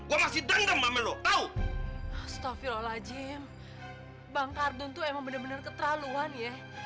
gua masih denger sama lu tau astaghfirullahaladzim bang kadun tuh emang bener bener keterlaluan ya